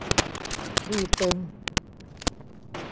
ชื่อเต็ม